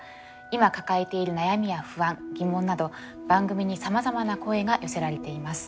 今抱えている悩みや不安疑問など番組にさまざまな声が寄せられています。